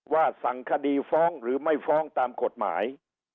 สั่งคดีฟ้องหรือไม่ฟ้องตามกฎหมาย